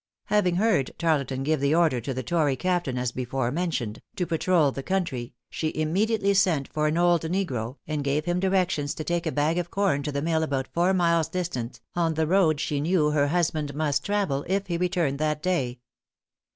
Having heard Tarleton give the order to the tory captain as before mentioned, to patrol the country, she immediately sent for an old negro, and gave him directions to take a bag of corn to the mill about four miles distant, on the road she knew her husband must travel if he returned that day.